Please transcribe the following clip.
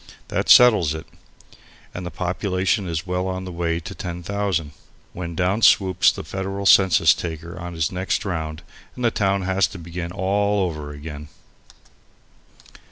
That settles it, and the population is well on the way to 10,000, when down swoops the federal census taker on his next round and the town has to begin all over again.